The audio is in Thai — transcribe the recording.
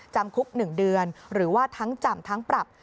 จำคุก๑เดือนหรือว่าทั้งจำทั้งปรับ